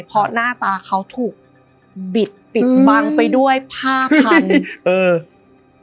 เพราะหน้าตาเขาถูกบิดปิดบังไปด้วยผ้าพันเออ